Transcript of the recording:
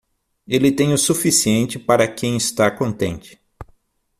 Ele tem o suficiente para quem está contente.